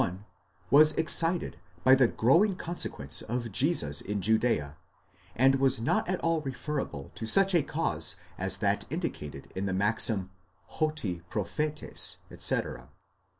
1, was excited by the growing consequence of Jesus in Judea, and was not at all referrible to such a cause as that indicated in the maxim: ὅτι προφήτης x. t.A.